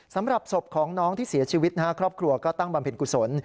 สำหรับศพของน้องที่เสียชีวิตครอบครัวก็ตั้งบำเพ็ญกุศล